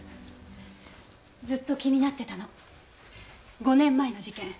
ずっと気になってたの５年前の事件。